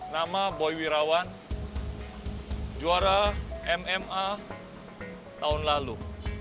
nama boy wirawan juara mma tahun lalu